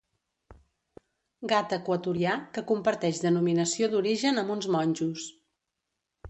Gat equatorià que comparteix denominació d'origen amb uns monjos.